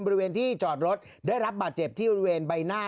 บริเวณที่จอดรถได้รับบาดเจ็บที่บริเวณใบหน้า